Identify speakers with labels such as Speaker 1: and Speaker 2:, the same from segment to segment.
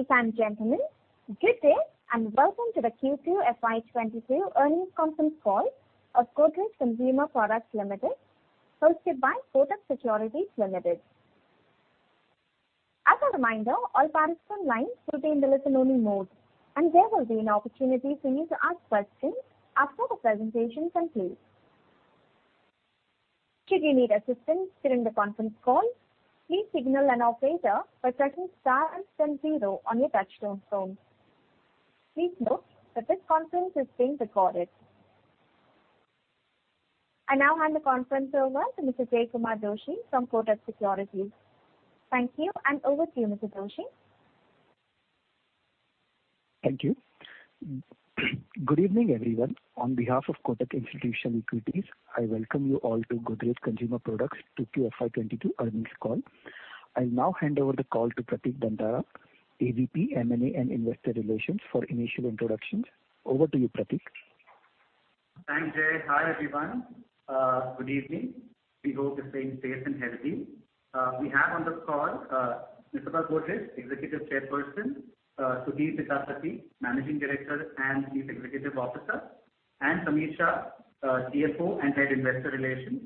Speaker 1: Ladies and gentlemen, good day, and welcome to the Q2 FY 2022 earnings conference call of Godrej Consumer Products Limited, hosted by Kotak Securities Limited. As a reminder, all participants' lines will be in the listen-only mode, and there will be an opportunity for you to ask questions after the presentation concludes. Should you need assistance during the conference call, please signal an operator by pressing star and then zero on your touchtone phone. Please note that this conference is being recorded. I now hand the conference over to Mr. Jaykumar Doshi from Kotak Securities. Thank you, and over to you, Mr. Doshi.
Speaker 2: Thank you. Good evening, everyone. On behalf of Kotak Institutional Equities, I welcome you all to Godrej Consumer Products' Q2 FY 2022 earnings call. I'll now hand over the call to Pratik Dantara, AVP, M&A, and Investor Relations for initial introductions. Over to you, Pratik.
Speaker 3: Thanks, Jay. Hi, everyone. Good evening. We hope you're staying safe and healthy. We have on the call, Nisaba Godrej, Executive Chairperson, Sudhir Sitapati, Managing Director and Chief Executive Officer, and Sameer Shah, CFO and Head of Investor Relations.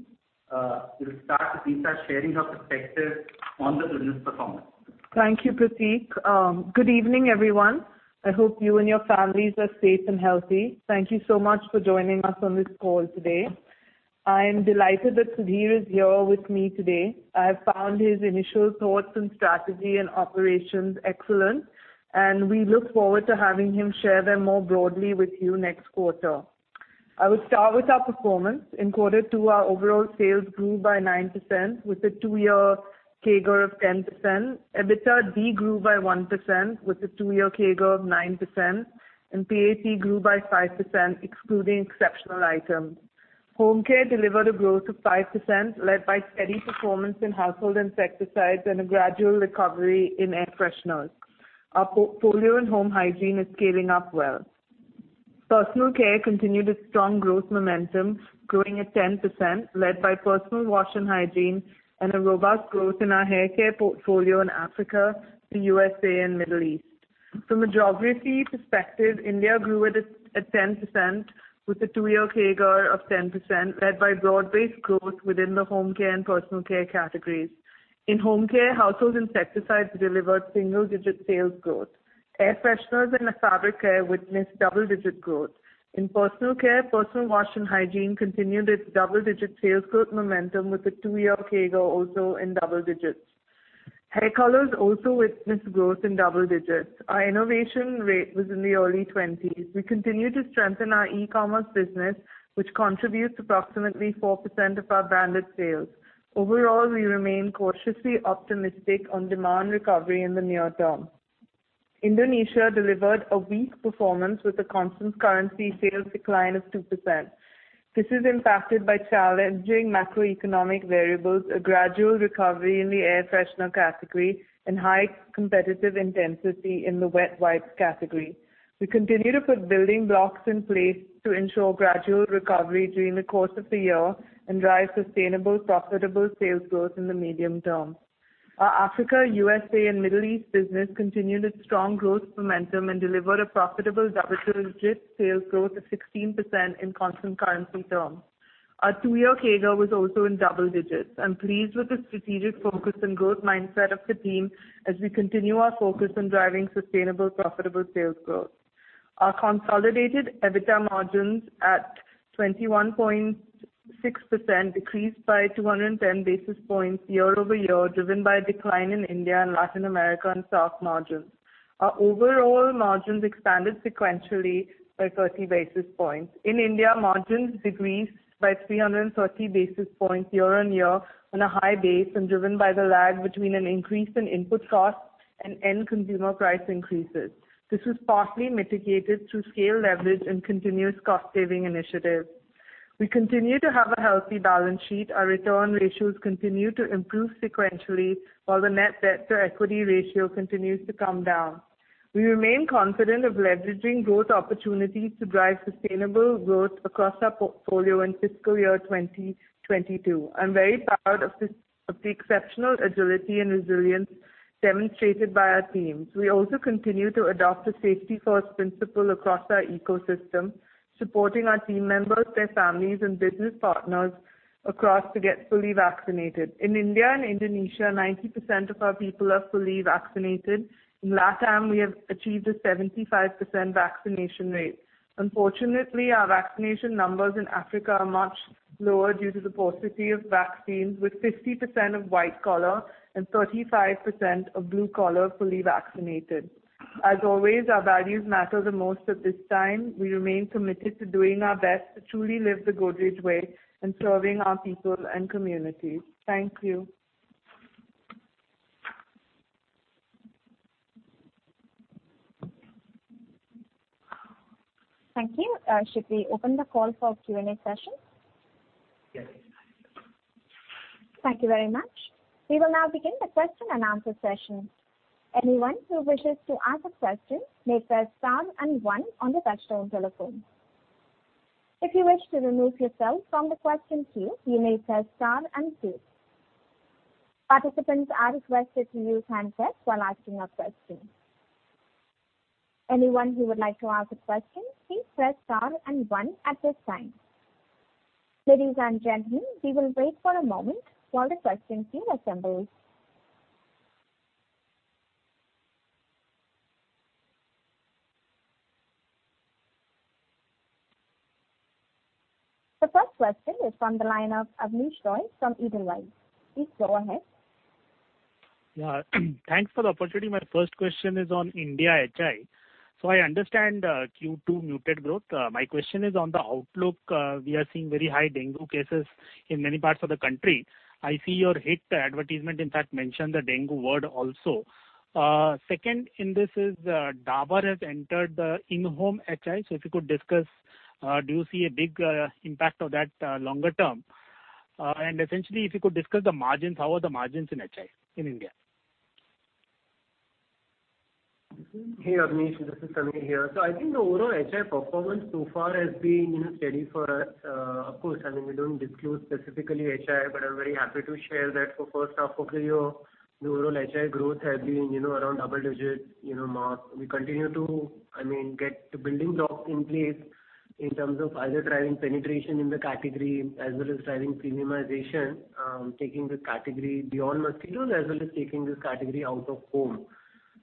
Speaker 3: We'll start with Nisaba sharing her perspective on the business performance.
Speaker 4: Thank you, Pratik. Good evening, everyone. I hope you and your families are safe and healthy. Thank you so much for joining us on this call today. I am delighted that Sudhir is here with me today. I have found his initial thoughts on strategy and operations excellent, and we look forward to having him share them more broadly with you next quarter. I will start with our performance. In quarter two, our overall sales grew by 9% with a two-year CAGR of 10%. EBITDA grew by 1% with a two-year CAGR of 9%, and PAT grew by 5% excluding exceptional items. Home care delivered a growth of 5% led by steady performance in household insecticides and a gradual recovery in air fresheners. Our portfolio in home hygiene is scaling up well. Personal care continued a strong growth momentum growing at 10% led by personal wash and hygiene and a robust growth in our hair care portfolio in Africa, the U.S., and Middle East. From a geography perspective, India grew at 10% with a two-year CAGR of 10% led by broad-based growth within the home care and personal care categories. In home care, household insecticides delivered single-digit sales growth. Air fresheners and fabric care witnessed double-digit growth. In personal care, personal wash and hygiene continued its double-digit sales growth momentum with a two-year CAGR also in double digits. Hair colors also witnessed growth in double digits. Our innovation rate was in the early 20s. We continue to strengthen our e-commerce business, which contributes approximately 4% of our branded sales. Overall, we remain cautiously optimistic on demand recovery in the near term. Indonesia delivered a weak performance with a constant currency sales decline of 2%. This is impacted by challenging macroeconomic variables, a gradual recovery in the air freshener category, and high competitive intensity in the wet wipes category. We continue to put building blocks in place to ensure gradual recovery during the course of the year and drive sustainable, profitable sales growth in the medium term. Our Africa, U.S., and Middle East business continued its strong growth momentum and delivered a profitable double-digit sales growth of 16% in constant currency terms. Our two-year CAGR was also in double digits. I'm pleased with the strategic focus and growth mindset of the team as we continue our focus on driving sustainable, profitable sales growth. Our consolidated EBITDA margins at 21.6% decreased by 210 basis points year-over-year, driven by a decline in India and Latin America and SAARC margins. Our overall margins expanded sequentially by 30 basis points. In India, margins decreased by 330 basis points year-on-year on a high base and driven by the lag between an increase in input costs and end consumer price increases. This was partly mitigated through scale leverage and continuous cost saving initiatives. We continue to have a healthy balance sheet. Our return ratios continue to improve sequentially while the net debt to equity ratio continues to come down. We remain confident of leveraging growth opportunities to drive sustainable growth across our portfolio in fiscal year 2022. I'm very proud of this, of the exceptional agility and resilience demonstrated by our teams. We also continue to adopt a safety-first principle across our ecosystem, supporting our team members, their families, and business partners across to get fully vaccinated. In India and Indonesia, 90% of our people are fully vaccinated. In LATAM, we have achieved a 75% vaccination rate. Unfortunately, our vaccination numbers in Africa are much lower due to the paucity of vaccines with 50% of white collar and 35% of blue collar fully vaccinated. As always, our values matter the most at this time. We remain committed to doing our best to truly live the Godrej way in serving our people and communities. Thank you.
Speaker 1: Thank you. Should we open the call for Q&A session?
Speaker 3: Yes.
Speaker 1: Thank you very much. We will now begin the question and answer session. Anyone who wishes to ask a question, may press star and one on the touchtone telephone. If you wish to remove yourself from the question queue, you may press star and two. Participants are requested to use handset while asking a question. Anyone who would like to ask a question, please press star and one at this time. Ladies and gentlemen, we will wait for a moment while the question queue assembles. The first question is from the line of Abneesh Roy from Edelweiss. Please go ahead.
Speaker 5: Yeah. Thanks for the opportunity. My first question is on India HI. I understand Q2 muted growth. My question is on the outlook. We are seeing very high dengue cases in many parts of the country. I see your HIT advertisement, in fact, mention the dengue word also. Second in this is, Dabur has entered the in-home HI. If you could discuss, do you see a big impact of that longer term? Essentially, if you could discuss the margins, how are the margins in HI in India?
Speaker 6: Hey, Abneesh, this is Sameer here. I think the overall HI performance so far has been, you know, steady for us. Of course, I mean, we don't disclose specifically HI, but I'm very happy to share that for first half of the year, the overall HI growth has been, you know, around double digits, you know, mark. We continue to, I mean, get the building blocks in place in terms of either driving penetration in the category as well as driving premiumization, taking the category beyond mosquitoes as well as taking this category out of home.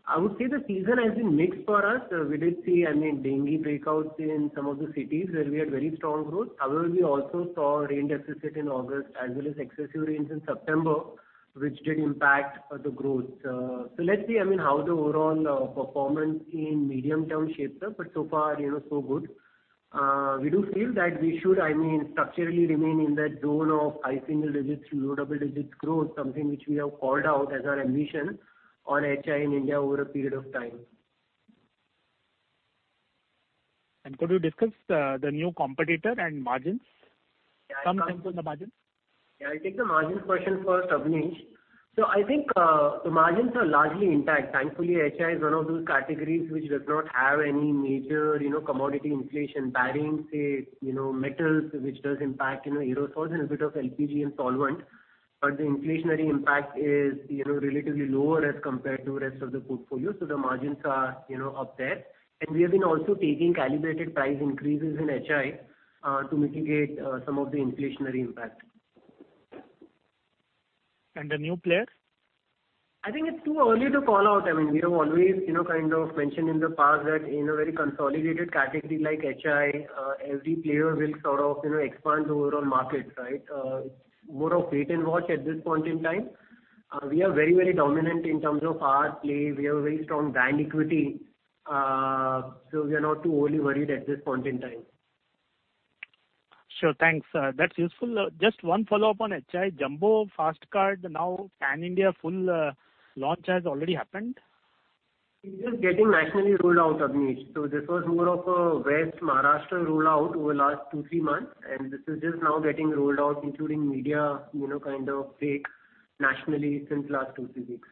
Speaker 6: I would say the season has been mixed for us. We did see, I mean, dengue breakouts in some of the cities where we had very strong growth. However, we also saw rain deficit in August as well as excessive rains in September, which did impact the growth. Let's see, I mean, how the overall performance in medium term shapes up, but so far, you know, so good. We do feel that we should, I mean, structurally remain in that zone of high single digits through low double digits growth, something which we have called out as our ambition on HI in India over a period of time.
Speaker 5: Could you discuss the new competitor and margins? Some sense on the margins.
Speaker 6: Yeah, I'll take the margins question first, Abneesh. I think the margins are largely intact. Thankfully, HI is one of those categories which does not have any major commodity inflation barring metals, which does impact aerosols and a bit of LPG and solvent. The inflationary impact is relatively lower as compared to rest of the portfolio, so the margins are up there. We have been also taking calibrated price increases in HI to mitigate some of the inflationary impact.
Speaker 5: The new player?
Speaker 6: I think it's too early to call out. I mean, we have always, you know, kind of mentioned in the past that in a very consolidated category like HI, every player will sort of, you know, expand the overall market, right? We are very, very dominant in terms of our play. We have a very strong brand equity. We are not too overly worried at this point in time.
Speaker 5: Sure. Thanks. That's useful. Just one follow-up on HI. Jumbo Fast Card, now Pan India full launch has already happened?
Speaker 6: It is getting nationally rolled out, Abneesh. This was more of a West Maharashtra rollout over the last two to three months, and this is just now getting rolled out, including media, you know, kind of break nationally since the last two, three weeks.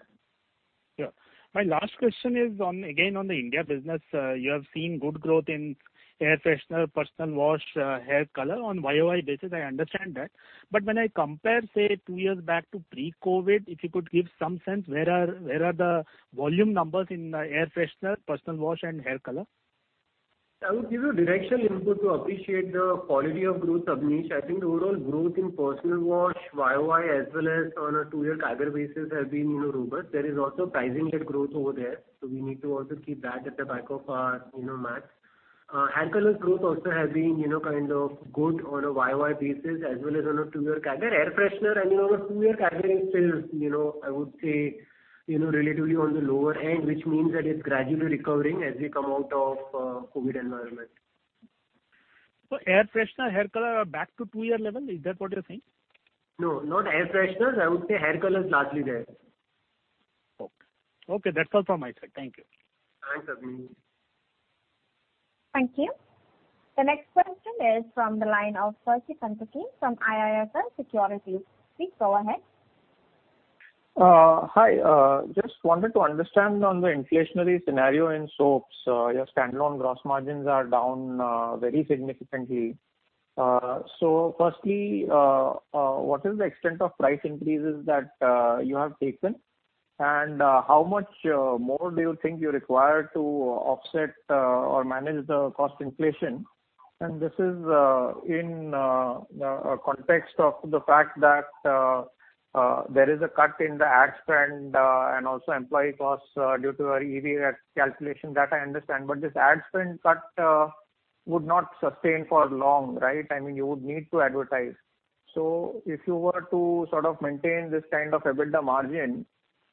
Speaker 5: Yeah. My last question is on, again, on the India business. You have seen good growth in air freshener, personal wash, hair color on YOY basis, I understand that. But when I compare, say, two years back to pre-COVID, if you could give some sense, where are the volume numbers in air freshener, personal wash and hair color?
Speaker 6: I would give you directional input to appreciate the quality of growth, Abneesh. I think the overall growth in personal wash YOY as well as on a two-year CAGR basis has been, you know, robust. There is also pricing-led growth over there, so we need to also keep that at the back of our, you know, minds. Hair colors growth also has been, you know, kind of good on a YOY basis as well as on a two-year CAGR. Air freshener and, you know, our two-year CAGR is still, you know, I would say, you know, relatively on the lower end, which means that it's gradually recovering as we come out of COVID environment.
Speaker 5: Air freshener, hair color are back to two-year level? Is that what you're saying?
Speaker 6: No, not air fresheners. I would say hair color is largely there.
Speaker 5: Okay. Okay, that's all from my side. Thank you.
Speaker 6: Thanks, Abneesh.
Speaker 1: Thank you. The next question is from the line of Percy Panthaki from IIFL Securities. Please go ahead.
Speaker 7: Hi. Just wanted to understand on the inflationary scenario in soaps. Your standalone gross margins are down very significantly. Firstly, what is the extent of price increases that you have taken? How much more do you think you require to offset or manage the cost inflation? This is in a context of the fact that there is a cut in the ad spend and also employee costs due to a revised actuarial calculation. That I understand. This ad spend cut would not sustain for long, right? I mean, you would need to advertise. If you were to sort of maintain this kind of EBITDA margin,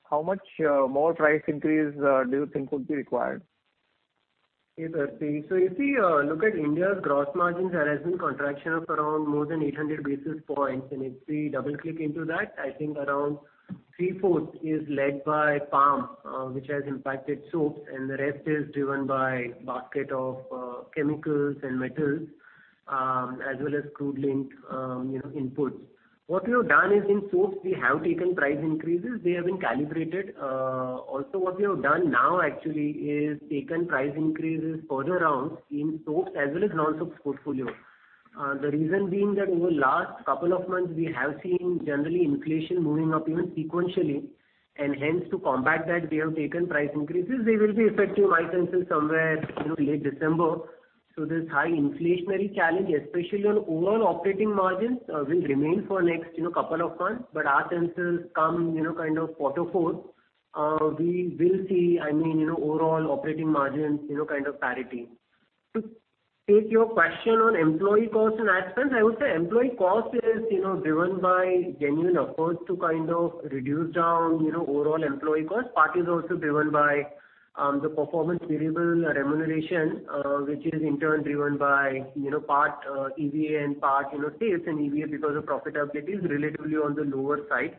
Speaker 7: how much more price increase do you think would be required?
Speaker 6: Yes, Percy. If you look at India's gross margins, there has been contraction of around more than 800 basis points. If we double-click into that, I think around three-fourths is led by palm, which has impacted soaps, and the rest is driven by basket of chemicals and metals, as well as crude-linked inputs. What we have done is in soaps we have taken price increases. They have been calibrated. Also, what we have done now actually is taken price increases further rounds in soaps as well as non-soap portfolio. The reason being that over last couple of months, we have seen generally inflation moving up even sequentially, and hence to combat that we have taken price increases. They will be effective, I think, till somewhere, you know, late December. This high inflationary challenge, especially on overall operating margins, will remain for next, you know, couple of months. Our sense is come, you know, kind of quarter four, we will see, I mean, you know, overall operating margins, you know, kind of parity. To take your question on employee costs and ad spends, I would say employee cost is, you know, driven by genuine efforts to kind of reduce down, you know, overall employee costs. Part is also driven by, the performance variable remuneration, which is in turn driven by, you know, part, EVA and part, you know, sales and EVA because the profitability is relatively on the lower side.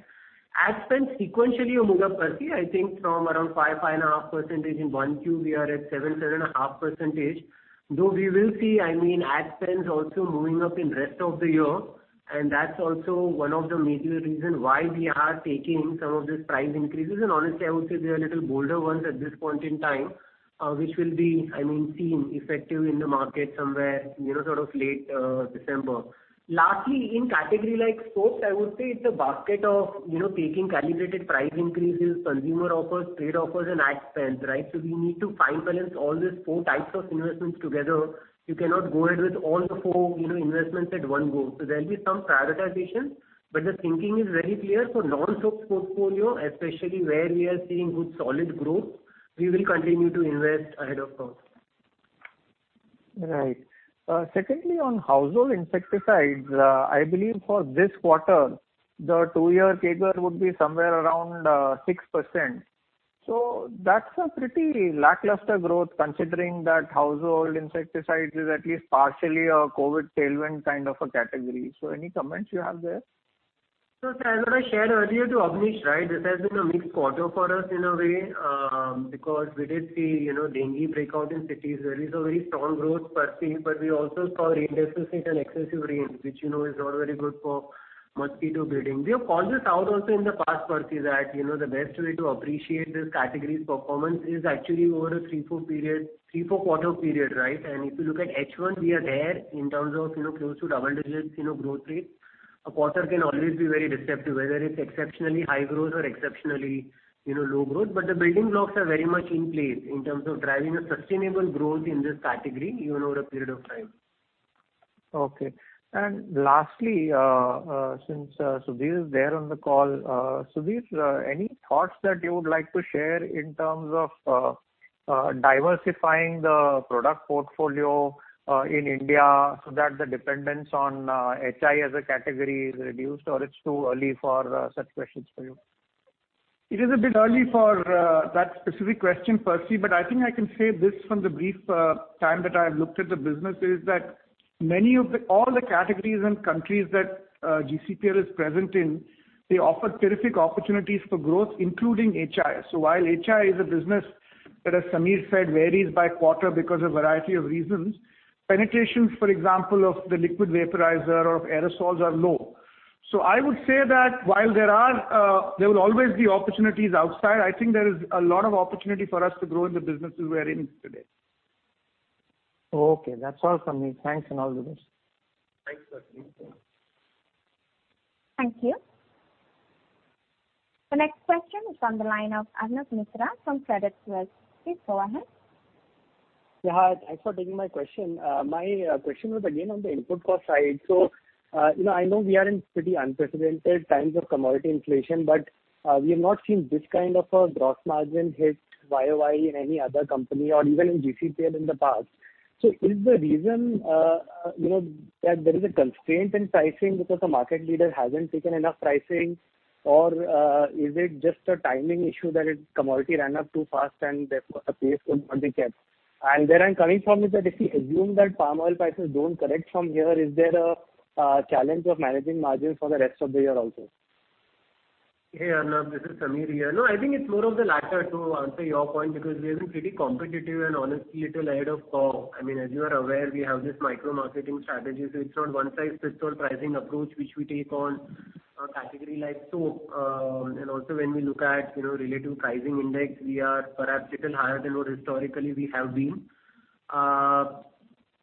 Speaker 6: Ad spend sequentially are moving up, Percy. I think from around 5%-5.5% in Q1, we are at 7%-7.5%, though we will see, I mean, ad spends also moving up in rest of the year, and that's also one of the major reason why we are taking some of these price increases. Honestly, I would say they are little bolder ones at this point in time, which will be, I mean, seen effective in the market somewhere, you know, sort of late December. Lastly, in category like soaps, I would say it's a basket of, you know, taking calibrated price increases, consumer offers, trade offers and ad spends, right? We need to fine balance all these four types of investments together. You cannot go ahead with all the four, you know, investments at one go. There'll be some prioritization. The thinking is very clear for non-soap portfolio, especially where we are seeing good solid growth. We will continue to invest ahead of Percy.
Speaker 7: Right. Secondly, on household insecticides, I believe for this quarter, the two-year CAGR would be somewhere around 6%. That's a pretty lackluster growth considering that household insecticides is at least partially a COVID tailwind kind of a category. Any comments you have there?
Speaker 6: As I shared earlier to Abneesh, right, this has been a mixed quarter for us in a way, because we did see, you know, dengue outbreak in cities. There is very strong growth, Percy, but we also saw rain deficit and excessive rains, which, you know, is not very good for mosquito breeding. We have called this out also in the past, Percy, that, you know, the best way to appreciate this category's performance is actually over a three to four quarter period, right? If you look at H1, we are there in terms of, you know, close to double digits, you know, growth rate. A quarter can always be very deceptive, whether it's exceptionally high growth or exceptionally, you know, low growth. The building blocks are very much in place in terms of driving a sustainable growth in this category even over a period of time.
Speaker 7: Okay. Lastly, since Sudhir is there on the call, Sudhir, any thoughts that you would like to share in terms of diversifying the product portfolio in India so that the dependence on HI as a category is reduced, or it's too early for such questions for you?
Speaker 8: It is a bit early for that specific question, Percy, but I think I can say this from the brief time that I have looked at the business, is that all the categories and countries that GCPL is present in offer terrific opportunities for growth, including HI. While HI is a business that, as Sameer said, varies by quarter because of variety of reasons, penetrations, for example, of the liquid vaporizer or of aerosols are low. I would say that while there will always be opportunities outside, I think there is a lot of opportunity for us to grow in the businesses we are in today.
Speaker 7: Okay. That's all, Sameer. Thanks and all the best.
Speaker 6: Thanks, Percy.
Speaker 1: Thank you. The next question is on the line of Arnab Mitra from Credit Suisse. Please go ahead.
Speaker 9: Yeah, thanks for taking my question. My question was again on the input cost side. You know, I know we are in pretty unprecedented times of commodity inflation, but we have not seen this kind of a gross margin hit YOY in any other company or even in GCPL in the past. Is the reason you know, that there is a constraint in pricing because the market leader hasn't taken enough pricing, or is it just a timing issue that the commodity ran up too fast and therefore the pace could not be kept? Where I'm coming from is that if we assume that palm oil prices don't correct from here, is there a challenge of managing margin for the rest of the year also?
Speaker 6: Hey, Arnab, this is Sameer here. No, I think it's more of the latter, to answer your point, because we have been pretty competitive and honestly a little ahead of curve. I mean, as you are aware, we have this micro-marketing strategy, so it's not one size fits all pricing approach which we take on a category like soap. Also when we look at, you know, relative pricing index, we are perhaps little higher than what historically we have been.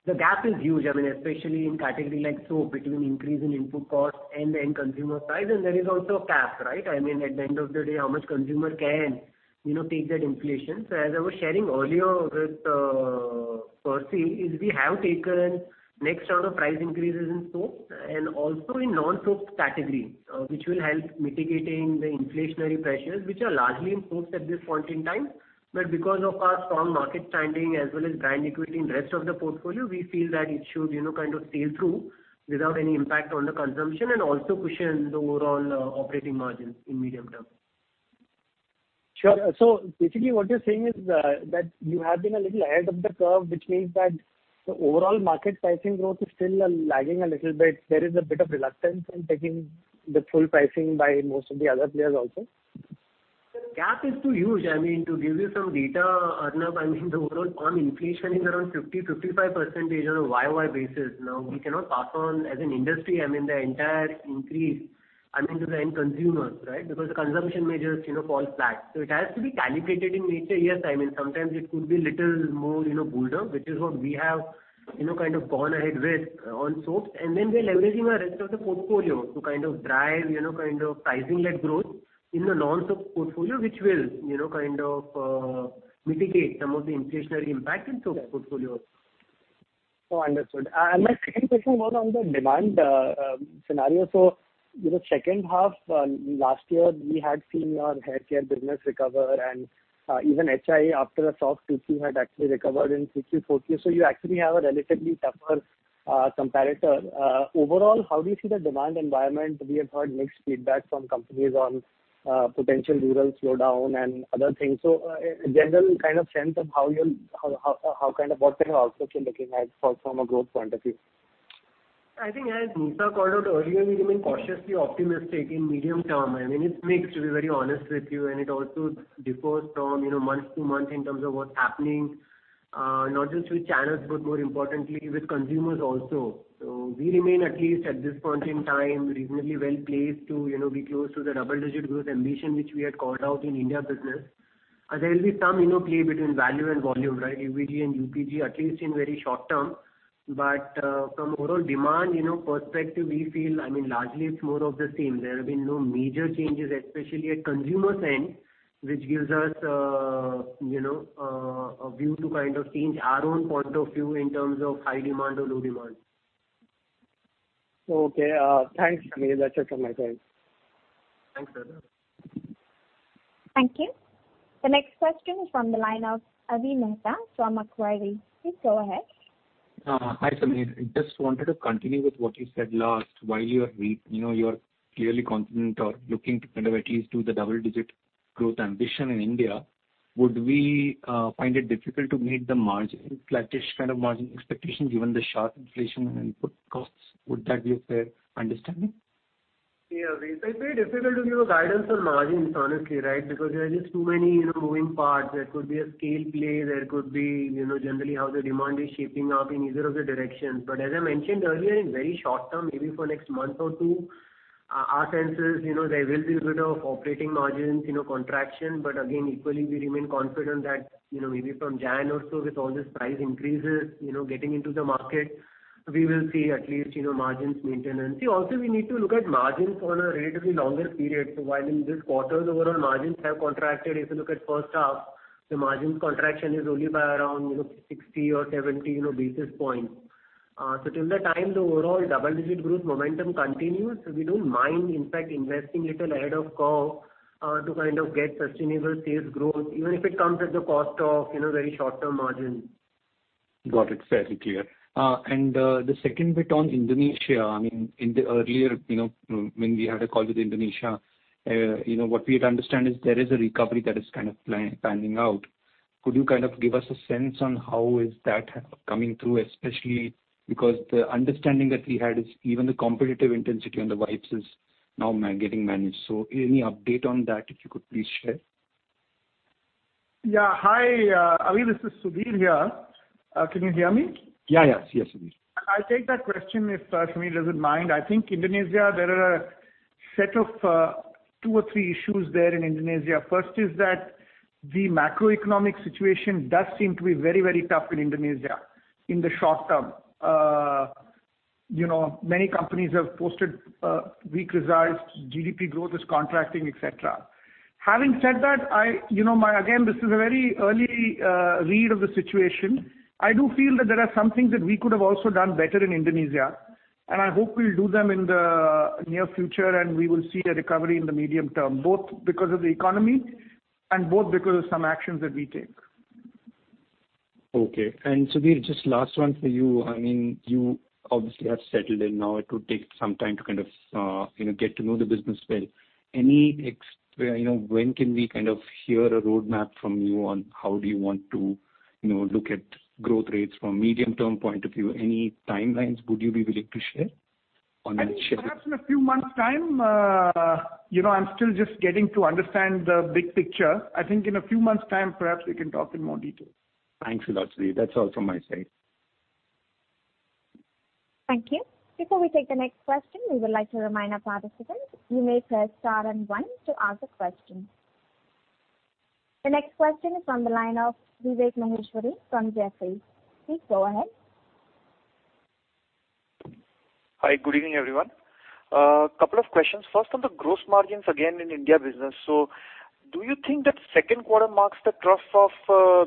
Speaker 6: The gap is huge, I mean, especially in category like soap between increase in input cost and end consumer price. There is also a cap, right? I mean, at the end of the day, how much consumer can, you know, take that inflation. As I was sharing earlier with Percy, we have taken next round of price increases in soap and also in non-soap category, which will help mitigating the inflationary pressures which are largely in soaps at this point in time. Because of our strong market standing as well as brand equity in rest of the portfolio, we feel that it should, you know, kind of sail through without any impact on the consumption and also cushion the overall operating margins in medium term.
Speaker 9: Sure. Basically what you're saying is that you have been a little ahead of the curve, which means that the overall market pricing growth is still lagging a little bit. There is a bit of reluctance in taking the full pricing by most of the other players also?
Speaker 6: Gap is too huge. I mean, to give you some data, Arnab, I mean, the overall palm inflation is around 50%-55% on a YOY basis. Now, we cannot pass on as an industry, I mean, the entire increase, I mean, to the end consumers, right? Because consumption may just, you know, fall flat. It has to be calibrated in nature. Yes, I mean, sometimes it could be little more, you know, bolder, which is what we have, you know, kind of gone ahead with on soaps. Then we're leveraging our rest of the portfolio to kind of drive, you know, kind of pricing-led growth in the non-soap portfolio, which will, you know, kind of, mitigate some of the inflationary impact in soap portfolio.
Speaker 9: No, understood. And my second question was on the demand scenario. You know, second half last year, we had seen your haircare business recover and even H2 after a soft Q2 had actually recovered in Q3, Q4. You actually have a relatively tougher comparator. Overall, how do you see the demand environment? We have heard mixed feedback from companies on potential rural slowdown and other things. A general kind of sense of how you're what kind of outlook you're looking at from a growth point of view.
Speaker 6: I think as Nisa called out earlier, we remain cautiously optimistic in medium term. I mean, it's mixed, to be very honest with you, and it also differs from, you know, month to month in terms of what's happening, not just with channels, but more importantly with consumers also. We remain, at least at this point in time, reasonably well placed to, you know, be close to the double-digit growth ambition which we had called out in India business. There will be some, you know, play between value and volume, right, UVG and UPG, at least in very short term. From overall demand, you know, perspective, we feel, I mean, largely it's more of the same. There have been no major changes, especially at consumer's end, which gives us, you know, a view to kind of change our own point of view in terms of high demand or low demand.
Speaker 9: Okay. Thanks, Sameer. That's it from my side.
Speaker 6: Thanks, Arnab.
Speaker 1: Thank you. The next question is from the line of Avi Mehta from Macquarie. Please go ahead.
Speaker 10: Hi, Sameer. Just wanted to continue with what you said last. While you are, you know, you are clearly confident or looking to kind of at least do the double-digit growth ambition in India, would we find it difficult to meet the margin, flattish kind of margin expectations given the sharp inflation and input costs? Would that be a fair understanding?
Speaker 6: Yeah. It's very difficult to give a guidance on margins, honestly, right? Because there are just too many, you know, moving parts. There could be a scale play, there could be, you know, generally how the demand is shaping up in either of the directions. As I mentioned earlier, in very short term, maybe for next month or two, our sense is, you know, there will be a bit of operating margins, you know, contraction. Again, equally we remain confident that, you know, maybe from January also, with all this price increases, you know, getting into the market, we will see at least, you know, margins maintenance. See, also we need to look at margins on a relatively longer period. While in this quarter the overall margins have contracted, if you look at first half, the margins contraction is only by around, you know, 60 or 70, you know, basis points. Till the time the overall double-digit growth momentum continues, we don't mind, in fact, investing little ahead of A&P, to kind of get sustainable sales growth, even if it comes at the cost of, you know, very short-term margins.
Speaker 10: Got it. Fairly clear. The second bit on Indonesia, I mean, in the earlier, you know, when we had a call with Indonesia, you know, what we had understood is there is a recovery that is kind of planning out. Could you kind of give us a sense on how is that coming through? Especially because the understanding that we had is even the competitive intensity on the wipes is now getting managed. Any update on that, if you could please share?
Speaker 8: Yeah. Hi, Avi, this is Sudhir here. Can you hear me?
Speaker 10: Yeah, yeah. Yes, Sudhir.
Speaker 8: I'll take that question if Sameer doesn't mind. I think in Indonesia there are a set of two or three issues there in Indonesia. First is that the macroeconomic situation does seem to be very, very tough in Indonesia in the short term. You know, many companies have posted weak results, GDP growth is contracting, etc. Having said that, you know, again, this is a very early read of the situation. I do feel that there are some things that we could have also done better in Indonesia, and I hope we'll do them in the near future, and we will see a recovery in the medium term, both because of the economy and both because of some actions that we take.
Speaker 10: Okay. Sudhir, just last one for you. I mean, you obviously have settled in now. It would take some time to kind of, you know, get to know the business well. Any, you know, when can we kind of hear a roadmap from you on how do you want to, you know, look at growth rates from medium term point of view? Any timelines would you be willing to share on that shift?
Speaker 8: I think perhaps in a few months' time. You know, I'm still just getting to understand the big picture. I think in a few months' time, perhaps we can talk in more detail.
Speaker 10: Thanks a lot, Sudhir. That's all from my side.
Speaker 1: Thank you. Before we take the next question, we would like to remind our participants, you may press star and one to ask a question. The next question is from the line of Vivek Maheshwari from Jefferies. Please go ahead.
Speaker 11: Hi. Good evening, everyone. Couple of questions. First, on the gross margins again in India business. Do you think that second quarter marks the trough of,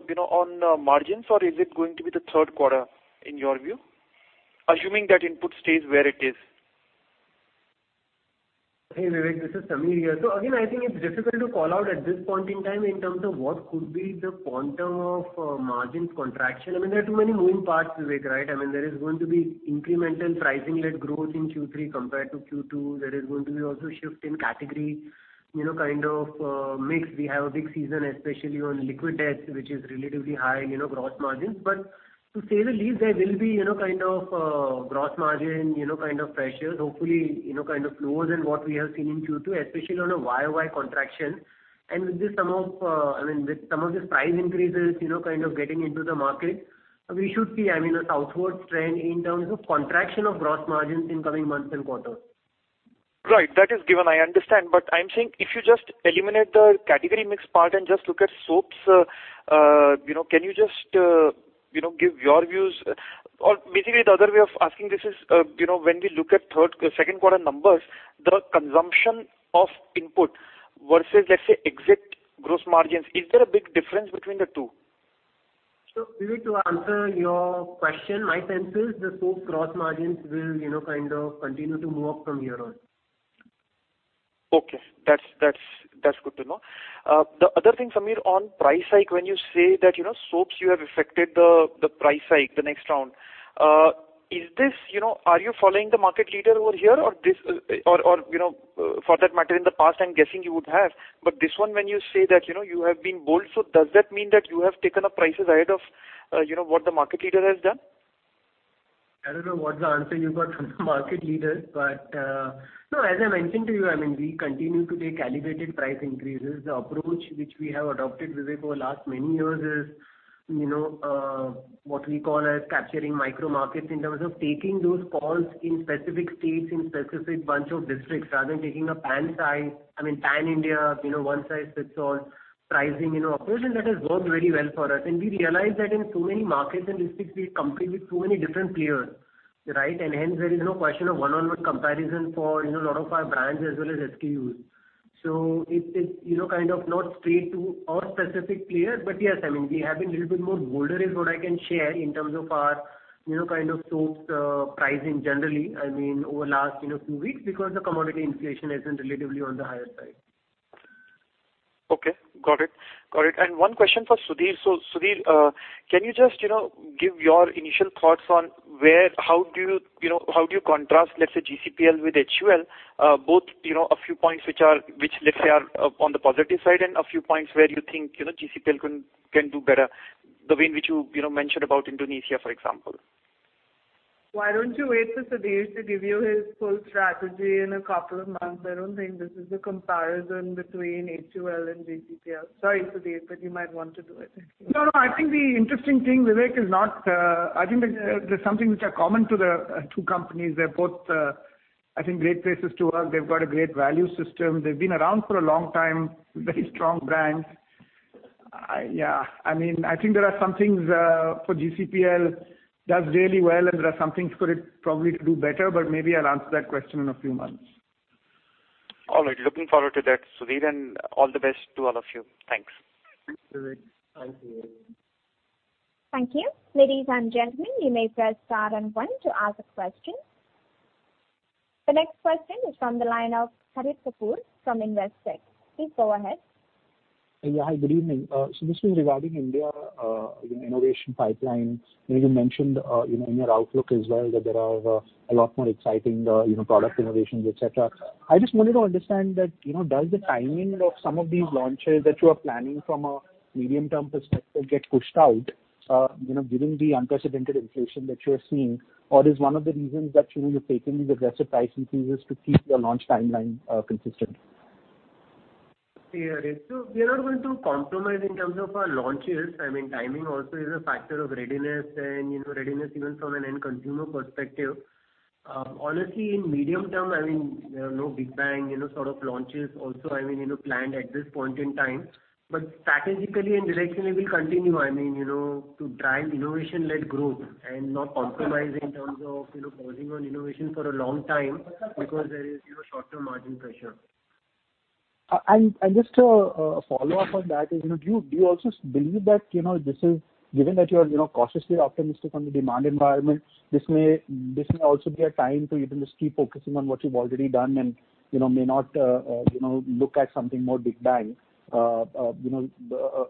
Speaker 11: you know, on margins, or is it going to be the third quarter in your view? Assuming that input stays where it is.
Speaker 6: Hey, Vivek, this is Sameer here. Again, I think it's difficult to call out at this point in time in terms of what could be the quantum of margins contraction. I mean, there are too many moving parts, Vivek, right? I mean, there is going to be incremental pricing-led growth in Q3 compared to Q2. There is going to be also shift in category, you know, kind of mix. We have a big season, especially on liquid dish, which is relatively high in, you know, gross margins. To say the least, there will be, you know, kind of gross margin, you know, kind of pressures. Hopefully, you know, kind of lower than what we have seen in Q2, especially on a YY contraction. With some of this price increases, you know, kind of getting into the market, we should see, I mean, a southward trend in terms of contraction of gross margins in coming months and quarters.
Speaker 11: Right. That is given, I understand. But I'm saying if you just eliminate the category mix part and just look at soaps, you know, can you just, you know, give your views? Or basically the other way of asking this is, you know, when we look at second quarter numbers, the consumption of input versus, let's say, exit gross margins, is there a big difference between the two?
Speaker 6: Vivek, to answer your question, my sense is the soap gross margins will, you know, kind of continue to move up from here on.
Speaker 11: Okay. That's good to know. The other thing, Sameer, on price hike, when you say that, you know, soaps you have effected the price hike the next round, is this. You know, are you following the market leader over here or this, or, you know, for that matter, in the past, I'm guessing you would have. But this one, when you say that, you know, you have been bold, so does that mean that you have taken up prices ahead of, you know, what the market leader has done?
Speaker 6: I don't know what the answer you got from the market leaders. No, as I mentioned to you, I mean, we continue to take calibrated price increases. The approach which we have adopted, Vivek, over last many years is, you know, what we call as capturing micro markets in terms of taking those calls in specific states, in specific bunch of districts, rather than taking a pan-size, I mean, pan-India, you know, one-size-fits-all pricing, you know. Apparently, that has worked very well for us. We realize that in so many markets and districts, we compete with so many different players, right? Hence there is no question of one-on-one comparison for, you know, a lot of our brands as well as SKUs. It's, you know, kind of not straight to or specific players. Yes, I mean, we have been little bit more bolder, is what I can share in terms of our, you know, kind of soaps, pricing generally, I mean, over last, you know, few weeks because the commodity inflation has been relatively on the higher side.
Speaker 11: Okay. Got it. One question for Sudhir. Sudhir, can you just, you know, give your initial thoughts on how do you know, how do you contrast, let's say, GCPL with HUL, both, you know, a few points which let's say are up on the positive side and a few points where you think, you know, GCPL can do better, the way in which you know, mentioned about Indonesia, for example?
Speaker 4: Why don't you wait for Sudhir to give you his full strategy in a couple of months? I don't think this is a comparison between HUL and GCPL. Sorry, Sudhir, but you might want to do it.
Speaker 8: No, no, I think the interesting thing, Vivek, is not. I think that there's something which are common to the two companies. They're both, I think, great places to work. They've got a great value system. They've been around for a long time, very strong brands. Yeah. I mean, I think there are some things for GCPL does really well, and there are some things for it probably to do better, but maybe I'll answer that question in a few months.
Speaker 11: All right. Looking forward to that, Sudhir, and all the best to all of you. Thanks.
Speaker 8: Thanks, Vivek.
Speaker 6: Thank you, Vivek.
Speaker 1: Thank you. Ladies and gentlemen, you may press star and one to ask a question. The next question is from the line of Harit Kapoor from Investec. Please go ahead.
Speaker 12: Yeah. Hi, good evening. So this is regarding India innovation pipeline. You know, you mentioned you know in your outlook as well that there are a lot more exciting you know product innovations, et cetera. I just wanted to understand that you know does the timing of some of these launches that you are planning from a medium-term perspective get pushed out you know given the unprecedented inflation that you are seeing? Or is one of the reasons that you know you're taking these aggressive price increases to keep your launch timeline consistent?
Speaker 6: Yeah. We are not going to compromise in terms of our launches. I mean, timing also is a factor of readiness and, you know, readiness even from an end consumer perspective. Honestly, in medium term, I mean, there are no big bang, you know, sort of launches also, I mean, you know, planned at this point in time. Strategically and directionally, we'll continue, I mean, you know, to drive innovation-led growth and not compromise in terms of, you know, pausing on innovation for a long time because there is, you know, short-term margin pressure.
Speaker 12: Just a follow-up on that is, you know, do you also believe that, you know, this is given that you are, you know, cautiously optimistic on the demand environment, this may also be a time to even just keep focusing on what you've already done and, you know, may not, you know, look at something more big bang? You know,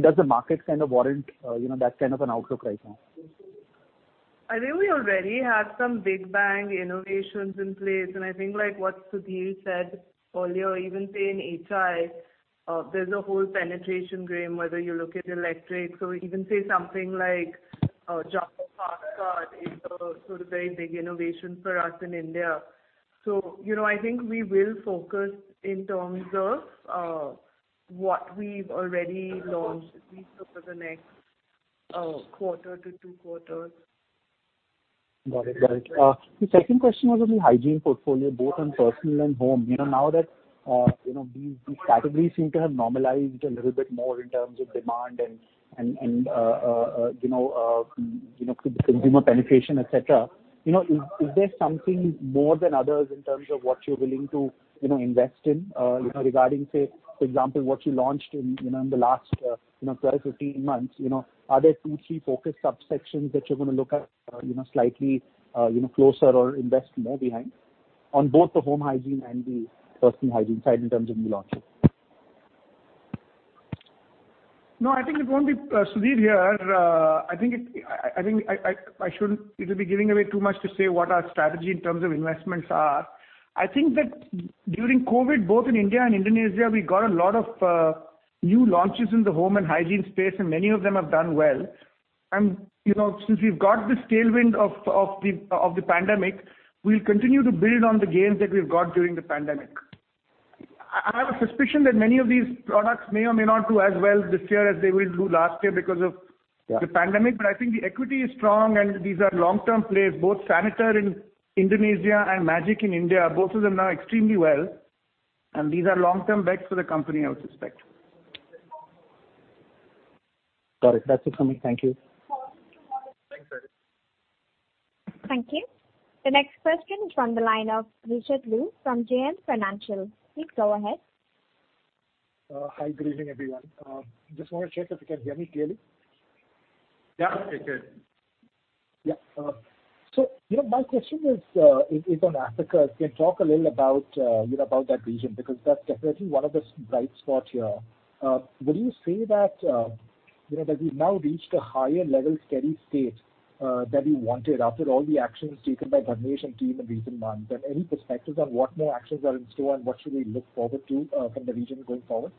Speaker 12: does the market kind of warrant, you know, that kind of an outlook right now?
Speaker 4: I think we already have some big bang innovations in place, and I think like what Sudhir said earlier, even say in HI, there's a whole penetration game, whether you look at electric or even say something like Jumbo Fast Card is a sort of very big innovation for us in India. So, you know, I think we will focus in terms of what we've already launched at least for the next quarter to two quarters.
Speaker 12: Got it. The second question was on the hygiene portfolio, both on personal and home. You know, now that, you know, these categories seem to have normalized a little bit more in terms of demand and, you know, consumer penetration, et cetera, you know, is there something more than others in terms of what you're willing to, you know, invest in, you know, regarding, say, for example, what you launched in, you know, in the last, 12, 15 months? You know, are there two, three focused subsections that you're gonna look at, you know, slightly, you know, closer or invest more behind on both the home hygiene and the personal hygiene side in terms of new launches?
Speaker 8: No, I think it won't be. Sudhir here. I think I shouldn't. It'll be giving away too much to say what our strategy in terms of investments are. I think that during COVID, both in India and Indonesia, we got a lot of new launches in the home and hygiene space, and many of them have done well. You know, since we've got this tailwind of the pandemic, we'll continue to build on the gains that we've got during the pandemic. I have a suspicion that many of these products may or may not do as well this year as they will do last year because of. Yeah. The pandemic. I think the equity is strong, and these are long-term plays, both Saniter in Indonesia and Magic in India, both of them know extremely well, and these are long-term bets for the company, I would suspect.
Speaker 12: Got it. That's it for me. Thank you.
Speaker 6: Thanks, Harit.
Speaker 1: Thank you. The next question is from the line of Richard Liu from JM Financial. Please go ahead.
Speaker 13: Hi, good evening, everyone. Just wanna check if you can hear me clearly.
Speaker 8: Yeah, we can.
Speaker 13: Yeah. You know, my question is on Africa. If you can talk a little about, you know, about that region, because that's definitely one of the bright spot here. Would you say that, you know, that we've now reached a higher level steady state, that we wanted after all the actions taken by Dharnesh and team in recent months? Any perspectives on what more actions are in store and what should we look forward to, from the region going forward?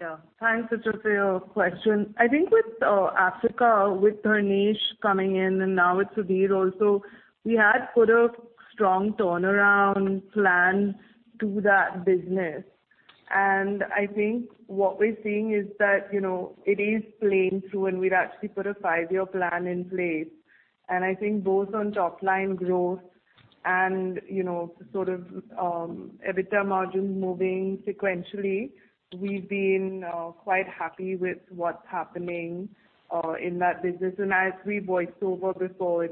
Speaker 4: Yeah. Thanks, Richard, for your question. I think with Africa, with Dharnesh coming in and now with Sudhir also, we had put a strong turnaround plan to that business. I think what we're seeing is that, you know, it is playing through, and we'd actually put a five-year plan in place. I think both on top line growth and, you know, sort of, EBITDA margin moving sequentially, we've been quite happy with what's happening in that business. As we voiced over before,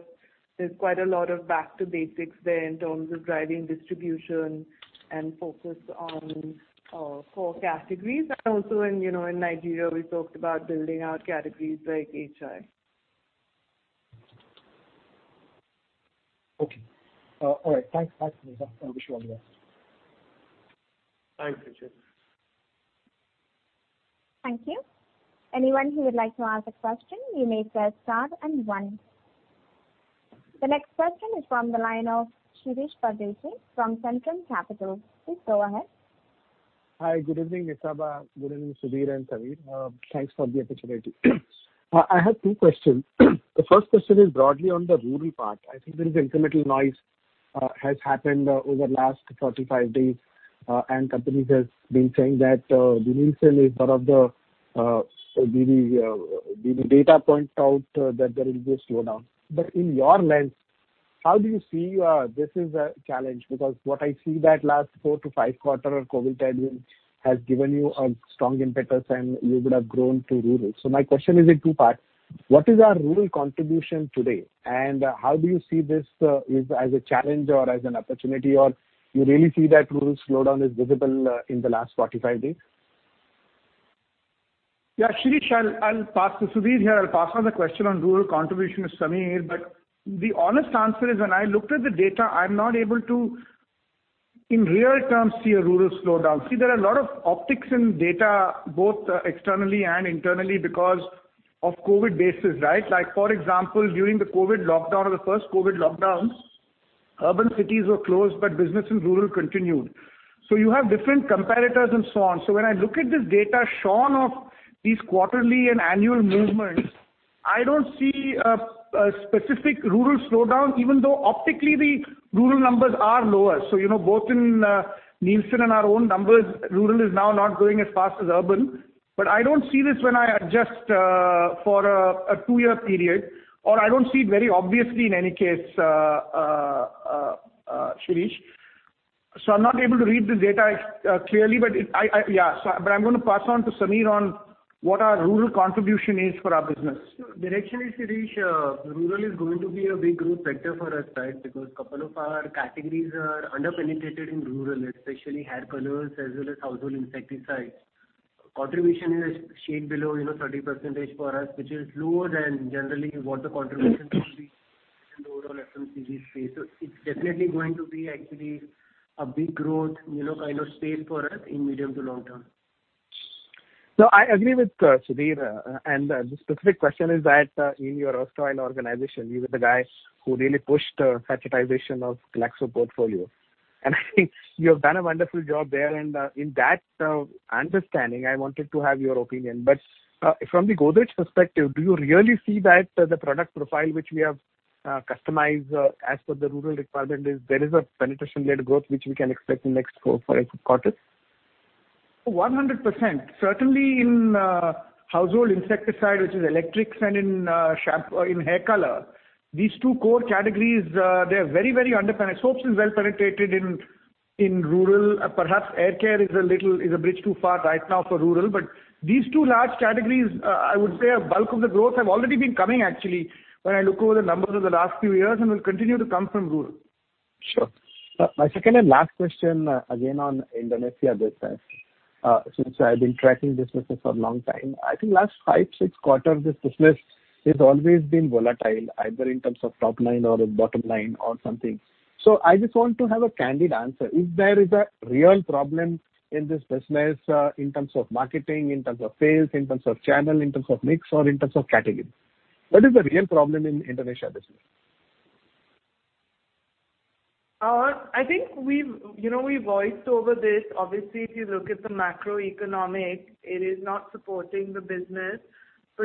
Speaker 4: there's quite a lot of back to basics there in terms of driving distribution and focus on core categories. Also in, you know, in Nigeria, we talked about building out categories like HI.
Speaker 13: Okay. All right. Thanks. Thanks, Nisaba. I wish you all the best.
Speaker 8: Thanks, Richard.
Speaker 1: Thank you. Anyone who would like to ask a question, you may press star and one. The next question is from the line of Shirish Pardeshi from Centrum Capital. Please go ahead.
Speaker 14: Hi, good evening, Nisaba. Good evening, Sudhir and Sameer. Thanks for the opportunity. I have two questions. The first question is broadly on the rural part. I think there is incremental noise has happened over the last 45 days, and companies have been saying that the Nielsen data points out that there will be a slowdown. In your lens, how do you see this as a challenge? Because what I see is that last four to five quarters of COVID-19 has given you a strong impetus and you would have grown to rural. My question is in two parts: What is our rural contribution today, and, how do you see this, as a challenge or as an opportunity, or you really see that rural slowdown is visible, in the last 45 days?
Speaker 8: Yeah, Shirish, I'll pass to Sudhir here. I'll pass on the question on rural contribution to Sameer. The honest answer is, when I looked at the data, I'm not able to, in real terms, see a rural slowdown. See, there are a lot of optics in data, both externally and internally because of COVID basis, right? Like for example, during the COVID lockdown or the first COVID lockdowns, urban cities were closed, but business in rural continued. You have different comparators and so on. When I look at this data shown of these quarterly and annual movements, I don't see a specific rural slowdown, even though optically the rural numbers are lower. You know, both in Nielsen and our own numbers, rural is now not growing as fast as urban. I don't see this when I adjust for a two-year period, or I don't see it very obviously in any case, Shirish. I'm not able to read the data clearly. I'm gonna pass on to Sameer on what our rural contribution is for our business. Directionally, Shirish, rural is going to be a big growth sector for us, right? Because couple of our categories are under-penetrated in rural, especially hair colors as well as household insecticides. Contribution is a shade below, you know, 30% for us, which is lower than generally what the contribution would be in the overall FMCG space. It's definitely going to be actually a big growth, you know, kind of space for us in medium to long term.
Speaker 14: No, I agree with Sudhir. The specific question is that in your erstwhile organization, you were the guy who really pushed systematization of Glaxo portfolio. I think you have done a wonderful job there. In that understanding, I wanted to have your opinion. From the Godrej perspective, do you really see that the product profile which we have customized as per the rural requirement is there is a penetration-led growth which we can expect in next four quarters?
Speaker 8: 100%. Certainly in household insecticide, which is electrics and in hair color. These two core categories, they are very, very underpenetrated. Soaps is well-penetrated in rural. Perhaps air care is a bridge too far right now for rural. These two large categories, I would say a bulk of the growth have already been coming actually when I look over the numbers of the last few years and will continue to come from rural.
Speaker 14: Sure. My second and last question, again on Indonesia business. Since I've been tracking businesses for a long time, I think last five, six quarter, this business has always been volatile, either in terms of top line or bottom line or something. I just want to have a candid answer. If there is a real problem in this business, in terms of marketing, in terms of sales, in terms of channel, in terms of mix, or in terms of category, what is the real problem in Indonesia business?
Speaker 4: I think we've, you know, we voiced over this. Obviously, if you look at the macroeconomic, it is not supporting the business.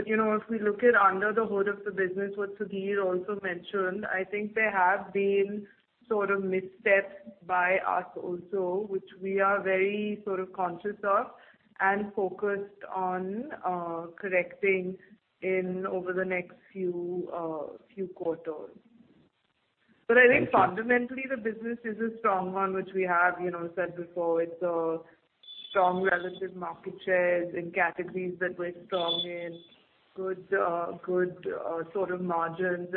Speaker 4: You know, if we look at under the hood of the business, what Sudhir also mentioned, I think there have been sort of missteps by us also, which we are very sort of conscious of and focused on correcting in over the next few quarters. I think fundamentally, the business is a strong one, which we have, you know, said before. It's a strong relative market share in categories that we're strong in. Good sort of margins.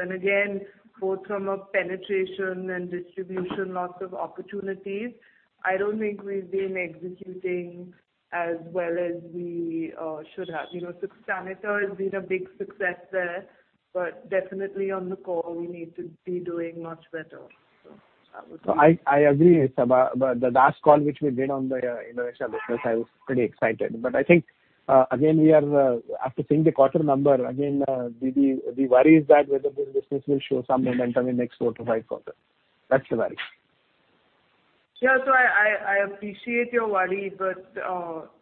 Speaker 4: Both from a penetration and distribution, lots of opportunities. I don't think we've been executing as well as we should have. You know, Saniter has been a big success there, but definitely on the core, we need to be doing much better, so that would be.
Speaker 14: I agree, Nisaba. The last call which we did on the Indonesia business, I was pretty excited. I think, again, we are after seeing the quarter number again, the worry is that whether the business will show some momentum in next four to five quarters. That's the worry.
Speaker 4: Yeah. I appreciate your worry, but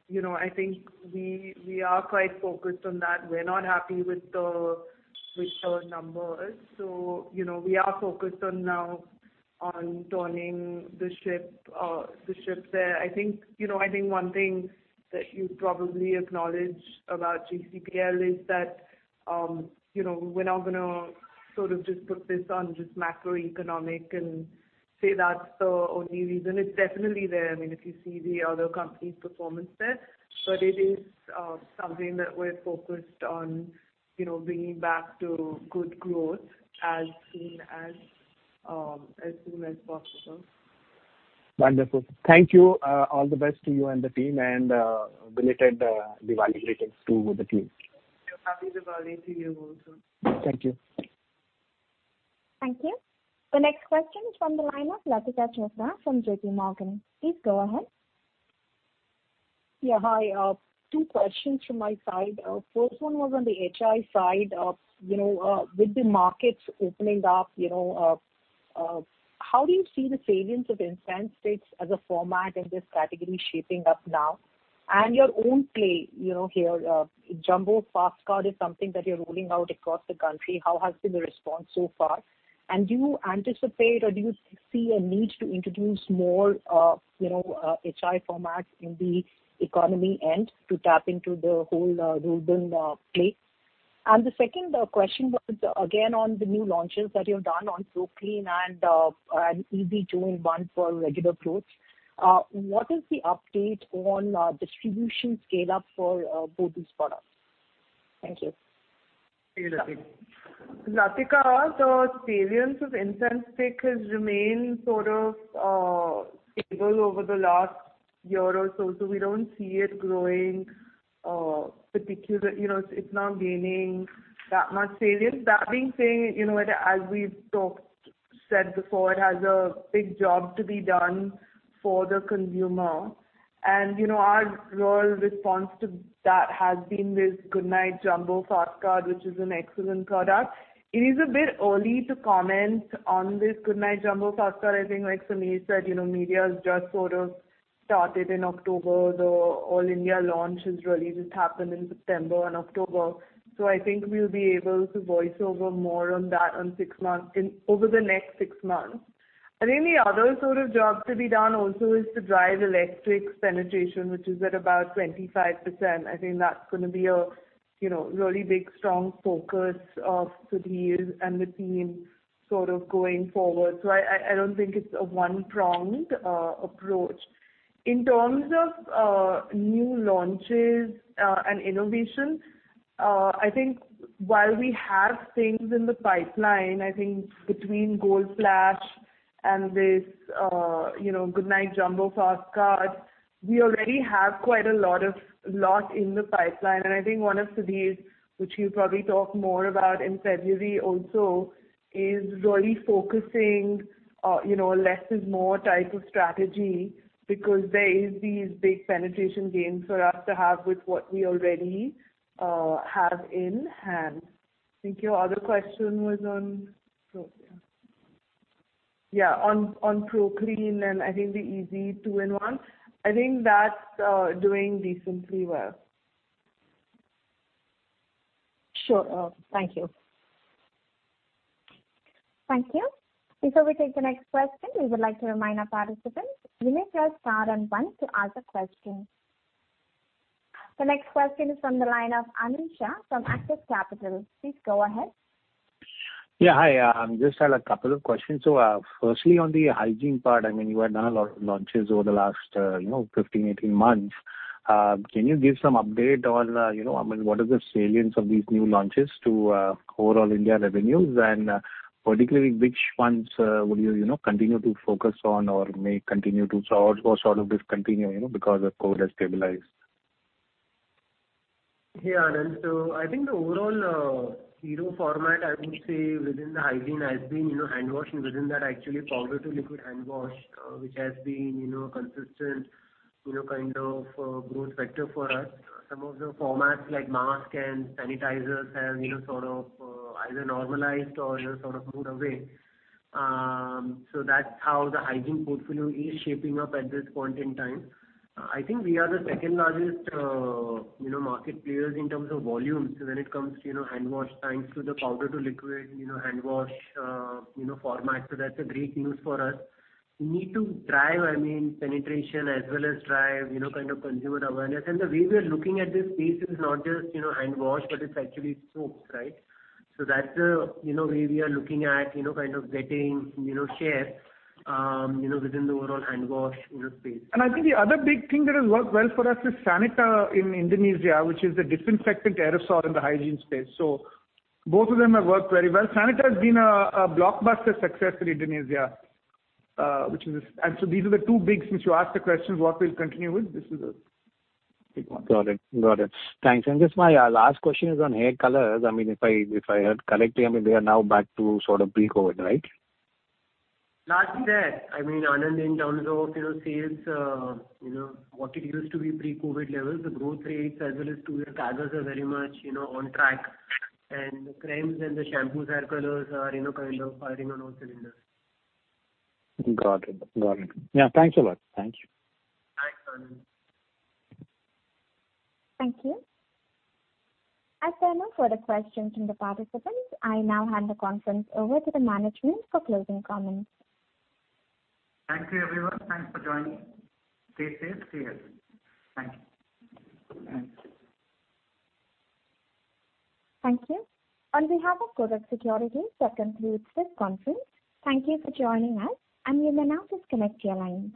Speaker 4: you know, I think we are quite focused on that. We're not happy with the numbers. You know, we are focused on turning the ship there. I think one thing that you probably acknowledge about GCPL is that you know, we're not gonna sort of just put this on just macroeconomic and say that's the only reason. It's definitely there. I mean, if you see the other companies' performance there. It is something that we're focused on, you know, bringing back to good growth as soon as possible.
Speaker 14: Wonderful. Thank you. All the best to you and the team and, belated Diwali greetings to the team.
Speaker 4: Happy Diwali to you also.
Speaker 14: Thank you.
Speaker 1: Thank you. The next question is from the line of Latika Chopra from JPMorgan. Please go ahead.
Speaker 15: Yeah, hi. Two questions from my side. First one was on the HI side of, you know, with the markets opening up, you know, how do you see the salience of incense sticks as a format in this category shaping up now? Your own play, you know, here, Jumbo Fast Card is something that you're rolling out across the country. How has been the response so far? Do you anticipate or do you see a need to introduce more, you know, HI formats in the economy end to tap into the whole rural end play? The second question was again on the new launches that you've done on ProClean and Ezee 2-in-1 for regular clothes. What is the update on distribution scale up for both these products? Thank you.
Speaker 4: Hey, Latika. Latika, the salience of incense stick has remained sort of stable over the last year or so. We don't see it growing. You know, it's not gaining that much salience. That being said, you know, as we've talked about before, it has a big job to be done for the consumer. You know, our rural response to that has been this Goodknight Jumbo Fast Card, which is an excellent product. It is a bit early to comment on this Goodknight Jumbo Fast Card. I think like Sameer said, you know, media has just sort of started in October. The all-India launch has really just happened in September and October. I think we'll be able to say more on that over the next six months. I think the other sort of job to be done also is to drive electric penetration, which is at about 25%. I think that's gonna be a, you know, really big strong focus of Sudhir's and the team sort of going forward. I don't think it's a one-pronged approach. In terms of new launches and innovation, I think while we have things in the pipeline, I think between Gold Flash and this, you know, Goodknight Jumbo Fast Card, we already have quite a lot in the pipeline. I think one of Sudhir's, which he'll probably talk more about in February also, is really focusing, you know, less is more type of strategy because there is these big penetration gains for us to have with what we already have in hand. I think your other question was on ProClean. Yeah, on ProClean and I think the Ezee 2-in-1. I think that's doing decently well.
Speaker 15: Sure. Thank you.
Speaker 1: Thank you. Before we take the next question, we would like to remind our participants you may press star and one to ask a question. The next question is from the line of Anand Shah from Axis Capital. Please go ahead.
Speaker 16: Yeah. Hi. Just had a couple of questions. First on the hygiene part, I mean, you have done a lot of launches over the last, you know, 15, 18 months. Can you give some update on, you know, I mean, what is the salience of these new launches to, overall India revenues? And, particularly which ones, would you know, continue to focus on or may continue to or sort of discontinue, you know, because of COVID has stabilized?
Speaker 6: Yeah, Anand. I think the overall hero format, I would say, within the hygiene has been, you know, hand wash and within that actually powder to liquid hand wash, which has been, you know, consistent, you know, kind of growth vector for us. Some of the formats like mask and sanitizers have, you know, sort of either normalized or, you know, sort of moved away. That's how the hygiene portfolio is shaping up at this point in time. I think we are the second-largest, you know, market players in terms of volumes when it comes to, you know, hand wash, thanks to the powder to liquid, you know, hand wash, you know, format. That's great news for us. We need to drive, I mean, penetration as well as drive, you know, kind of consumer awareness. The way we are looking at this space is not just, you know, hand wash, but it's actually soaps, right? That's the, you know, way we are looking at, you know, kind of getting, you know, share, you know, within the overall hand wash, you know, space.
Speaker 8: I think the other big thing that has worked well for us is Saniter in Indonesia, which is a disinfectant aerosol in the hygiene space. Both of them have worked very well. Saniter has been a blockbuster success in Indonesia, which is a big one. These are the two big ones, since you asked the question, what we'll continue with.
Speaker 16: Got it. Thanks. Just my last question is on hair colors. I mean, if I heard correctly, I mean, we are now back to sort of pre-COVID, right?
Speaker 6: Largely there. I mean, Anand, in terms of, you know, sales, you know, what it used to be pre-COVID levels, the growth rates as well as two-year CAGRs are very much, you know, on track. The creams and the shampoos, hair colors are, you know, kind of firing on all cylinders.
Speaker 16: Got it. Yeah. Thanks a lot. Thank you.
Speaker 6: Thanks, Anand.
Speaker 1: Thank you. As there are no further questions from the participants, I now hand the conference over to the management for closing comments.
Speaker 6: Thank you, everyone. Thanks for joining. Stay safe. See you. Thank you.
Speaker 4: Thanks.
Speaker 1: Thank you. On behalf of Kotak Securities, that concludes this conference. Thank you for joining us, and you may now disconnect your lines.